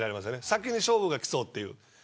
先に勝負が来そうっていう。